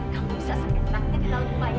kamu bisa sakit nangis di dalam rumah ini